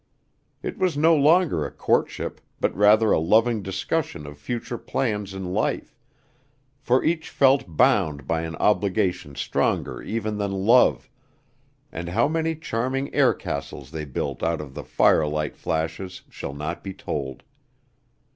It was no longer a courtship, but rather a loving discussion of future plans in life, for each felt bound by an obligation stronger even than love, and how many charming air castles they built out of the firelight flashes shall not be told.